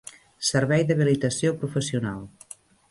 Servei d'habilitació professional